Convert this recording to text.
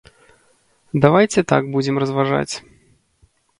Давайце так будзем разважаць.